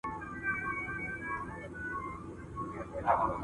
بشري حقونه د اساسي قانون برخه وه.